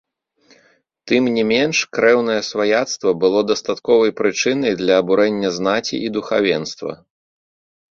Тым не менш, крэўнае сваяцтва было дастатковай прычынай для абурэння знаці і духавенства.